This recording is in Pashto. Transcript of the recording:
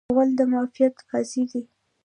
غول د معافیت قاضي دی.